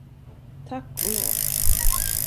Tack och lov.